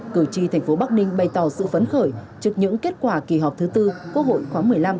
cử tri thành phố bắc ninh bày tỏ sự phấn khởi trước những kết quả kỳ họp thứ tư quốc hội khóa một mươi năm